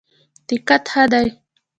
دقت ښه دی.